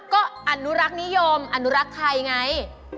ก็อนุรักษ์นิยมอนุรักษ์ไทยไง